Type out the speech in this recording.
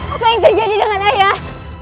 apa yang terjadi dengan ayah